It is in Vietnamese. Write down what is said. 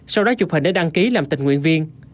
sau đó chụp hình để đăng ký làm tình nguyện viên